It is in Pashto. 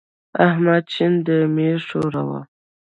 احمد شين دی؛ مه يې ښوروه.